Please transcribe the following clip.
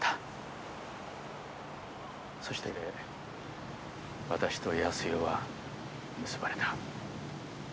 そして私と康代は結ばれた。